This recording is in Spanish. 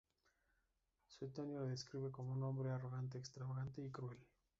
Suetonio lo describe como un hombre arrogante, extravagante y cruel.